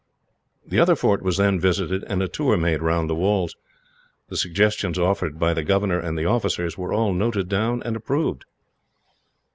The other fort was then visited, and a tour made round the walls. The suggestions offered by the governor and the officers were all noted down and approved.